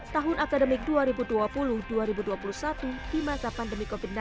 tahun akademik dua ribu dua puluh dua ribu dua puluh satu di masa pandemi covid sembilan belas